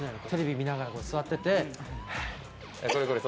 テレビ見ながら座ってて。